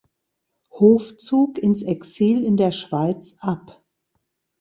Hofzug ins Exil in der Schweiz ab.